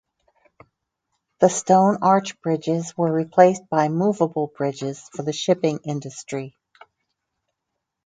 The stone arch bridges were replaced by movable bridges for the shipping industry.